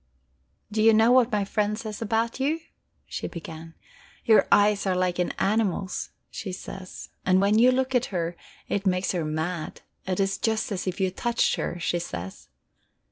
"Do you know what my friend says about you?" she began. "Your eyes are like an animal's, she says, and when you look at her, it makes her mad. It is just as if you touched her, she says."